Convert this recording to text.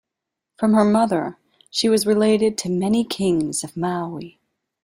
From her mother she was related to many kings of Maui.